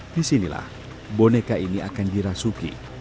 disinilah boneka ini akan dirasuki